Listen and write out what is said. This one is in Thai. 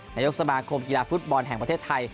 นายกสมาคมกีฬาฟุตบอลแห่งประเทศไทย